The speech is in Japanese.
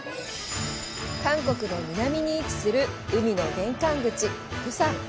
韓国の南に位置する、海の玄関口、釜山。